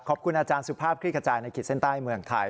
ขอบคุณอาจารย์สุภาพคลิกกระจายในขีดเส้นใต้เมืองไทย